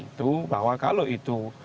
itu bahwa kalau itu